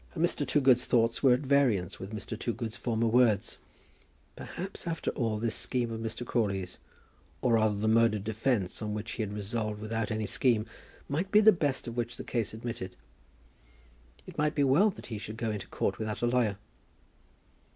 And Mr. Toogood's thoughts were at variance with Mr. Toogood's former words. Perhaps, after all, this scheme of Mr. Crawley's, or rather the mode of defence on which he had resolved without any scheme, might be the best of which the case admitted. It might be well that he should go into court without a lawyer.